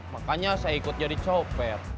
makanya saya ikut jadi copet